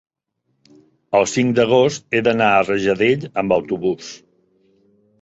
el cinc d'agost he d'anar a Rajadell amb autobús.